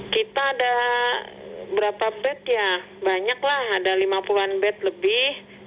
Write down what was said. kita ada berapa bed ya banyak lah ada lima puluh an bed lebih